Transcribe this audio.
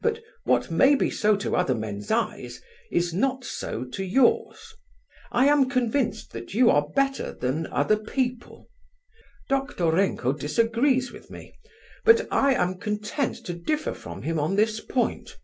But what may be so to other men's eyes is not so to yours. I am convinced that you are better than other people. Doktorenko disagrees with me, but I am content to differ from him on this point.